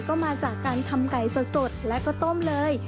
ก็มาจากการทำไก่สดและก็ต้มเลย